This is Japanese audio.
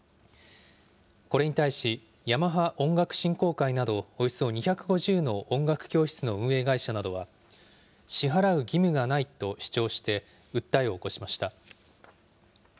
これに対し、ヤマハ音楽振興会などおよそ２５０の音楽教室の運営会社などは、支払う義務がないと主張して、訴えを起こしました。